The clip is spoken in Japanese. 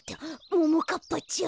ももかっぱちゃん。